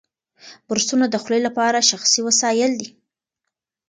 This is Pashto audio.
برسونه د خولې لپاره شخصي وسایل دي.